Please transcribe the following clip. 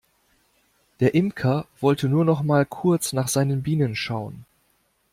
Der Imker wollte nur noch mal kurz nach seinen Bienen schauen.